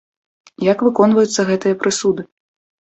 Як выконваюцца гэтыя прысуды?